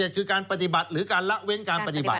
คือการปฏิบัติหรือการละเว้นการปฏิบัติ